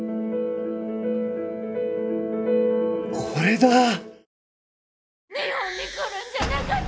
これだ！